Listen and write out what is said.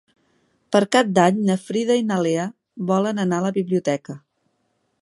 Per Cap d'Any na Frida i na Lea volen anar a la biblioteca.